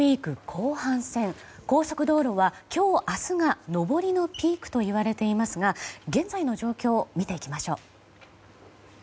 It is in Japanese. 高速道路は今日、明日が上りのピークといわれていますが現在の状況を見ていきましょう。